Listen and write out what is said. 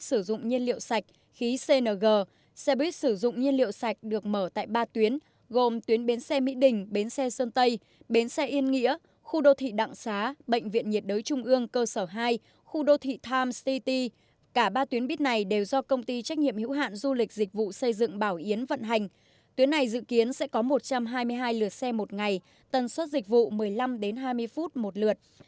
xe buýt sử dụng nhiên liệu sạch khí cng xe buýt sử dụng nhiên liệu sạch được mở tại ba tuyến gồm tuyến bến xe mỹ đình bến xe sơn tây bến xe yên nghĩa khu đô thị đặng xá bệnh viện nhiệt đới trung ương cơ sở hai khu đô thị tham city cả ba tuyến buýt này đều do công ty trách nhiệm hữu hạn du lịch dịch vụ xây dựng bảo yến vận hành tuyến này dự kiến sẽ có một trăm hai mươi hai lượt xe một ngày tần suất dịch vụ một mươi năm đến hai mươi phút một lượt